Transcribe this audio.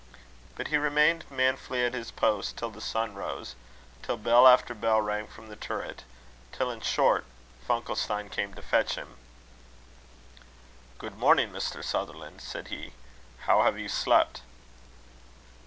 But he remained manfully at his post till the sun rose; till bell after bell rang from the turret; till, in short, Funkelstein came to fetch him. "Good morning, Mr. Sutherland," said he. "How have you slept?"